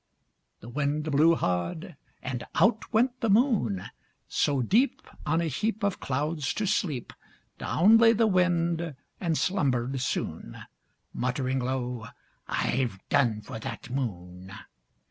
The Wind blew hard, and out went the Moon. So, deep On a heap Of clouds to sleep, Down lay the Wind, and slumbered soon, Muttering low, "I've done for that Moon."